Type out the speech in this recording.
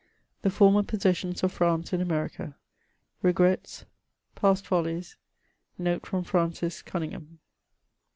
THE FORMER POSSESSIONS OF FRANCE IN AMERICA — REGRETS — ^PAST FOL LIES — NOTE FROM FRANCIS CONTNGHAM.